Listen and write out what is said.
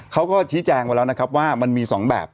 เขาก็ชี้แจงไว้แล้วนะครับว่ามันมี๒แบบ